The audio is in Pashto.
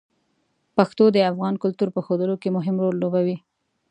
پښتو د افغان کلتور په ښودلو کې مهم رول لوبوي.